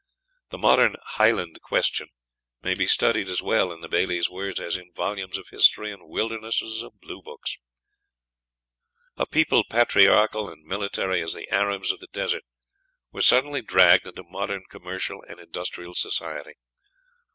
The modern "Highland Question" may be studied as well in the Bailie's words as in volumes of history and wildernesses of blue books. A people patriarchal and military as the Arabs of the desert were suddenly dragged into modern commercial and industrial society.